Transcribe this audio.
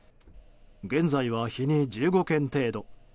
現在は日に１５件程度。